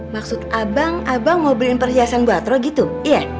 maksud abang abang mau beliin perhiasan buatro gitu iya